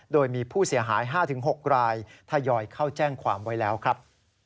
โดยมีผู้เสียหาย๕๖รายทยอยเข้าแจ้งความไว้แล้วครับ